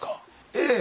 ええ。